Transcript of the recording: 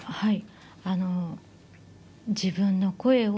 はい。